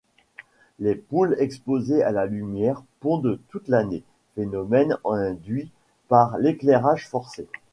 Les poules exposées à la lumière pondent toute l'année, phénomène induit par l'éclairage forcé.